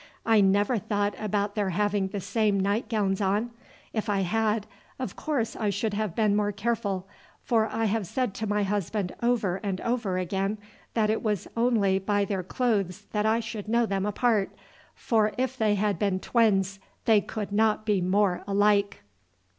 I never thought about their having the same night gowns on. If I had, of course I should have been more careful, for I have said to my husband over and over again that it was only by their clothes that I should know them apart, for if they had been twins they could not be more alike.